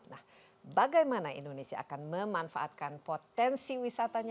nah bagaimana indonesia akan memanfaatkan potensi wisatanya